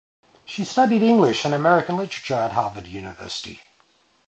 She studied English and American Literature at Harvard University.